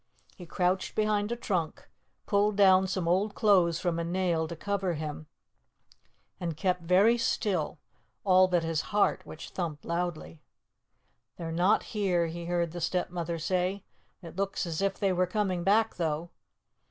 He crouched behind a trunk, pulled down some old clothes from a nail to cover him, and kept very still, all but his heart, which thumped loudly. "They're not here," he heard the Stepmother say. "It looks as if they were coming back, though."